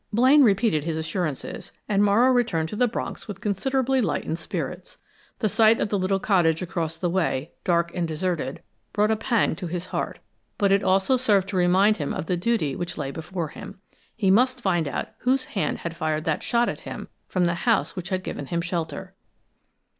Blaine repeated his assurances, and Morrow returned to the Bronx with considerably lightened spirits. The sight of the little cottage across the way, dark and deserted, brought a pang to his heart, but it also served to remind him of the duty which lay before him. He must find out whose hand had fired that shot at him from the house which had given him shelter.